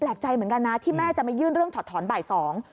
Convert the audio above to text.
ใจเหมือนกันนะที่แม่จะมายื่นเรื่องถอดถอนบ่ายสอง